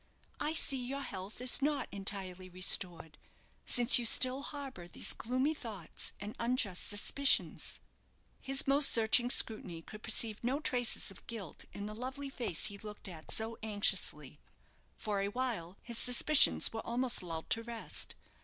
I see your health is not entirely restored, since you still harbour these gloomy thoughts and unjust suspicions." His most searching scrutiny could perceive no traces of guilt in the lovely face he looked at so anxiously. For a while his suspicions were almost lulled to rest.